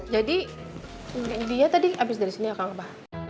jadi dia tadi habis dari sini akang apa